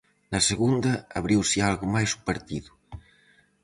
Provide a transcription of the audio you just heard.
Na segunda, abriuse algo máis o partido.